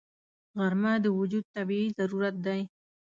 غرمه د وجود طبیعي ضرورت دی